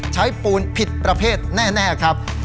ปูนผิดประเภทแน่ครับ